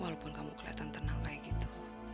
walaupun kamu kelihatan tenang kayak gitu